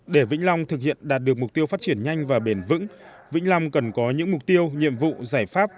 để vĩnh long thực hiện đạt được mục tiêu phát triển nhanh và bền vững vĩnh long cần có những mục tiêu nhiệm vụ giải pháp